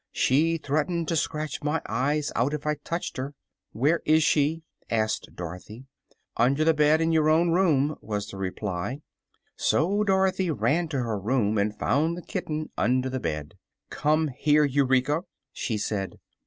She threatened to scratch my eyes out if I touched her." "Where is she?" asked Dorothy. "Under the bed in your own room," was the reply. So Dorothy ran to her room and found the kitten under the bed. "Come here, Eureka!" she said.